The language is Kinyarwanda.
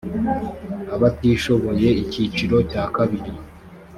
abatishoboye icyiciro cya ii